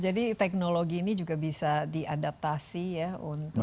jadi teknologi ini juga bisa diadaptasi ya untuk lakukan